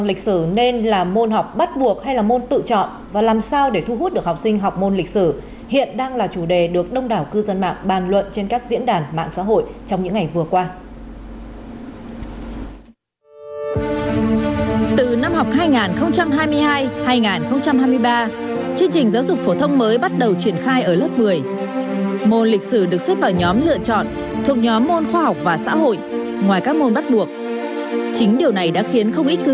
lịch sử nên là môn học bắt buộc hay là môn học tự chọn hiện đang là chủ đề bà luận sôi nổi trên các diễn đàn mạng xã hội những ngày gần đây